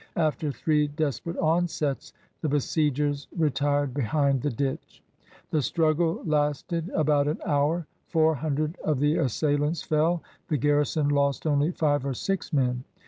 After three desperate onsets, the besiegers re tired behind the ditch. The struggle lasted about an hour. Four hundred of the assailants fell. The garrison lost only five or six men.